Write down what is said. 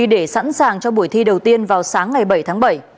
để sẵn sàng cho buổi thi đầu tiên vào sáng ngày bảy tháng bảy